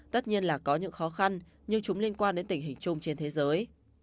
tất nhiên là có những khó khăn như chúng liên quan đến tình hình chung trên thế giới